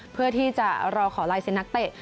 เพื่อที่จะรอขอลายเซ็นนักเตะ